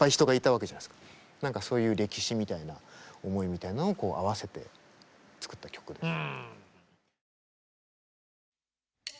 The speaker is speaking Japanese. そういう歴史みたいな思いみたいなのを合わせて作った曲です。